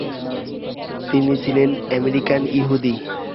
তিনি ছিলেন আমেরিকান ইহুদি।